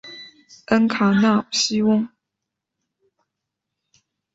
恩卡纳西翁。